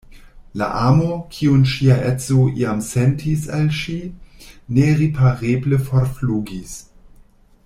La amo, kiun ŝia edzo iam sentis al ŝi, neripareble forflugis.